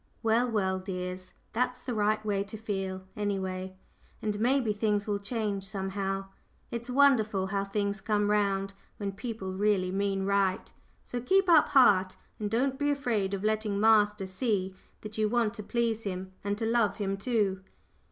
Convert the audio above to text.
"Well, well, dears, that's the right way to feel, any way. And maybe things will change somehow. It's wonderful how things come round when people really mean right. So keep up heart, and don't be afraid of letting master see that you want to please him, and to love him too."